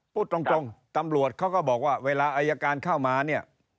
พูดตรงตำรวจเขาก็บอกว่าเวลาอายการเข้ามาเนี่ย